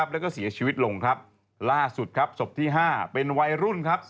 แล้วก็เสียชีวิตลงครับล่าสุดครับศพที่๕เป็นวัยรุ่นครับ